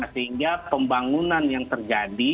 sehingga pembangunan yang terjadi